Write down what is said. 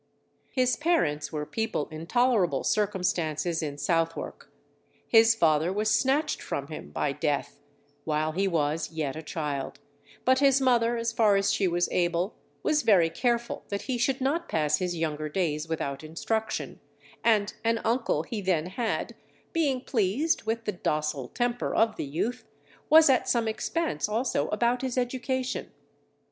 His parents were people in tolerable circumstances in Southwark; his father was snatched from him by death, while he was yet a child, but his mother, as far as she was able, was very careful that he should not pass his younger days without instruction, and an uncle he then had, being pleased with the docile temper of the youth, was at some expense also about his education.